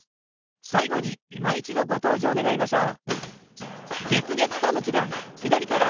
最後にいま一度ご登場願いましょう。